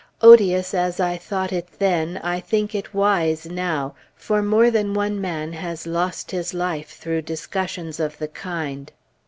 Odious as I thought it then, I think it wise now; for more than one man has lost his life through discussions of the kind.